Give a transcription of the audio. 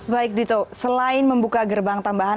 baik dito selain membuka gerbang tambahan